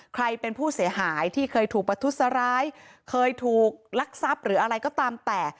ใครเป็นผู้เสียหายที่เคยถูกประทุษร้ายเคยถูกลักทรัพย์หรืออะไรก็ตามแต่